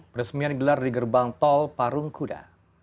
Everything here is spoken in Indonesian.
peresmian digelar di gerbang tol parung kuda